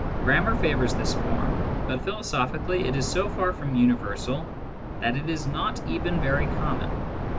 Grammar favours this form, but philosophically it is so far from universal that it is not even very common.